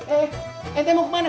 eh ente mau ke mana